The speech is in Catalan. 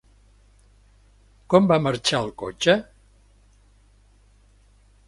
Com va marxar el cotxe?